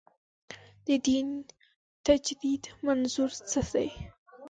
د دین تجدید منظور څه دی.